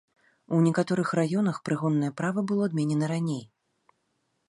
У некаторых раёнах прыгоннае права было адменена раней.